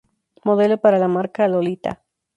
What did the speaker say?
Modeló para la marca "Lolita".